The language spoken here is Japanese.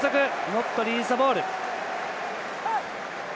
ノットリリースザボール。